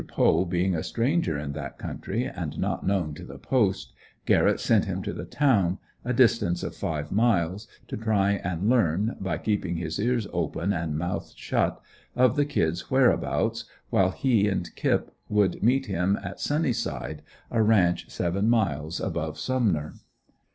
Poe being a stranger in that country, and not known in the Post, Garrett sent him to the town, a distance of five miles, to try and learn, by keeping his ears open and mouth shut, of the "Kid's" whereabouts, while he and "Kip" would meet him at "Sunny side" a ranch seven miles above "Sumner."